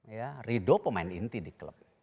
ya ridho pemain inti di klub